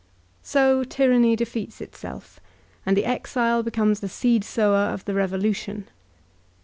So tyranny defeats itself, and the exile be comes the seed sower of the revolution.